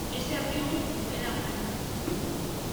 Ese abrigo te queda grande.